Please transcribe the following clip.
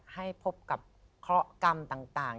ให้พบกับเคราะหกรรมต่าง